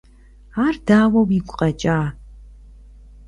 Ар дауэ уигу къэкӀа?